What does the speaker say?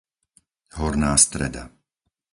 Horná Streda